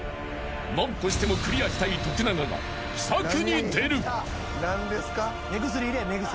［何としてもクリアしたい徳永が奇策に出る］